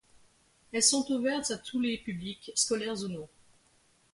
Elles sont ouvertes à tous les publics, scolaires ou non.